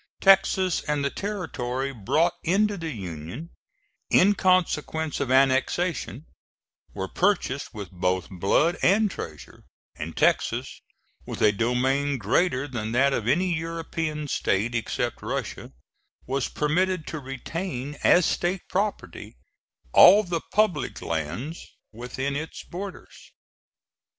Texas and the territory brought into the Union in consequence of annexation, were purchased with both blood and treasure; and Texas, with a domain greater than that of any European state except Russia, was permitted to retain as state property all the public lands within its borders.